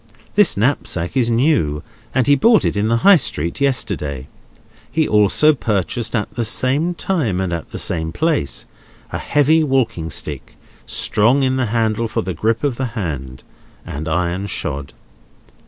This knapsack is new, and he bought it in the High Street yesterday. He also purchased, at the same time and at the same place, a heavy walking stick; strong in the handle for the grip of the hand, and iron shod.